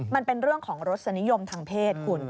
มันเป็นเรื่องของรสนิยมทางเพศคุณ